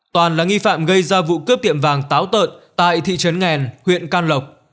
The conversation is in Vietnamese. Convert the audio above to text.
toàn là nghi phạm gây ra vụ cướp tiệm vàng táo tợn tại thị trấn nghèn huyện can lộc